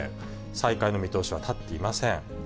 再開の見通しは立っていません。